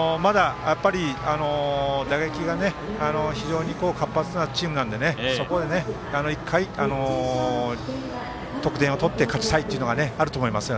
打撃が非常に活発なチームなのでそこでいっぱい得点を取って勝ちたいというのがあると思います。